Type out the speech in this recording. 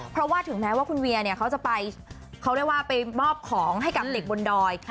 เพราะว่าถึงแม้ว่าคุณเวียเนี่ยเขาจะไปเขาเรียกว่าไปมอบของให้กับเด็กบนดอย